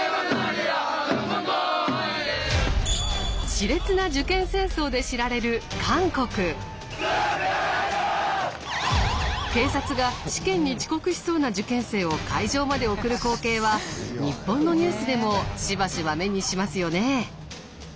しれつな受験戦争で知られる警察が試験に遅刻しそうな受験生を会場まで送る光景は日本のニュースでもしばしば目にしますよね。